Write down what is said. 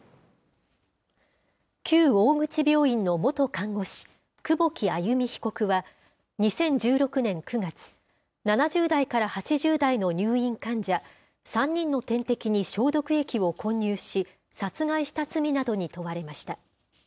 旧大口病院の元看護師、久保木愛弓被告は２０１６年９月、７０代から８０代の入院患者３人の点滴に消毒液を混入し、殺害した罪などに問われました。